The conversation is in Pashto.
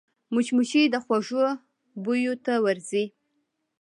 مچمچۍ د خوږو بویو ته ورځي